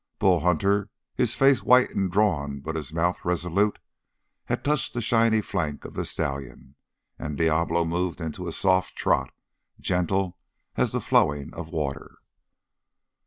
Bull Hunter, his face white and drawn but his mouth resolute, had touched the shining flank of the stallion, and Diablo moved into a soft trot, gentle as the flowing of water.